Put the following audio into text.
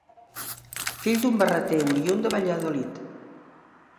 Fill d'un barreter oriünd de Valladolid.